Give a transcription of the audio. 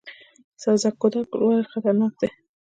سبزک کوتل ولې خطرناک دی؟